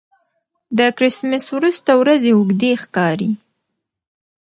د کرېسمېس وروسته ورځې اوږدې ښکاري.